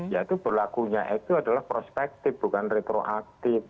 ya itu berlakunya itu adalah prospektif bukan retroaktif